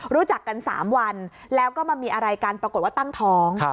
รู้จักกัน๓วันแล้วก็มามีอะไรกันปรากฏว่าตั้งท้อง